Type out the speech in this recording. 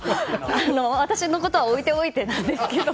私のことは置いておいてなんですけども。